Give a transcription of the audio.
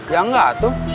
ya enggak tuh